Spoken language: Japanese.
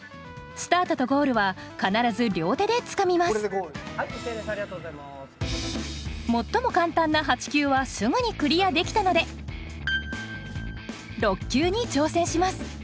スタートとゴールは必ず両手でつかみます最も簡単な８級はすぐにクリアできたので６級に挑戦します。